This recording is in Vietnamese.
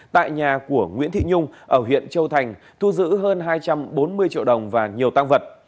tại nhà của nguyễn thị nhung ở huyện châu thành thu giữ hơn hai trăm bốn mươi triệu đồng và nhiều tăng vật